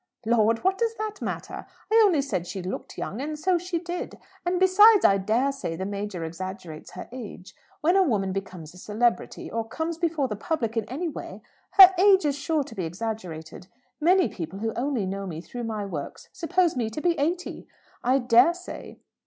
"Lord, what does that matter? I only said she looked young, and so she did. And besides, I dare say the Major exaggerates her age. When a woman becomes a celebrity, or comes before the public in any way, her age is sure to be exaggerated. Many people who only know me through my works suppose me to be eighty, I dare say.